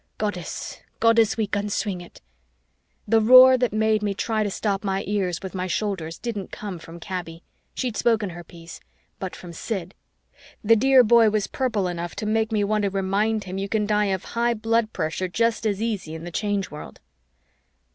Goddess, Goddess, we can swing it!" The roar that made me try to stop my ears with my shoulders didn't come from Kaby she'd spoken her piece but from Sid. The dear boy was purple enough to make me want to remind him you can die of high blood pressure just as easy in the Change World.